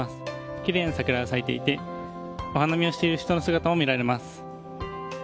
きれいな桜が咲いていてお花見をしている人の姿も見られます。